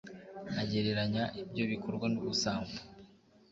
agereranya ibyo bikorwa n’ubusambo